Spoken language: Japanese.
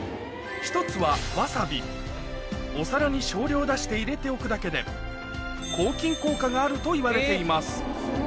１つはお皿に少量出して入れておくだけで抗菌効果があるといわれています